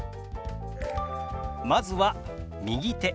まずは「右手」。